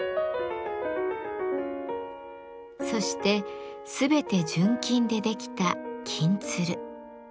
そして全て純金で出来た「金鶴」。